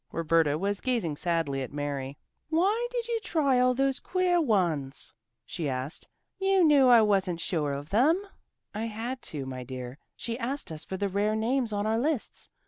Roberta was gazing sadly at Mary. "Why did you try all those queer ones?" she asked. "You knew I wasn't sure of them." "I had to, my dear. She asked us for the rare names on our lists.